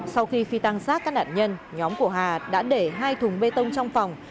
sau khi phi tăng sát các nạn nhân nhóm của hà đã để hai thùng bê tông trong phòng